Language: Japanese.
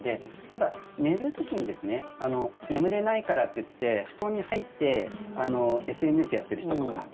ただ、寝る時に眠れないからといって布団に入ってＳＮＳをやっている人とか。